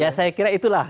ya saya kira itulah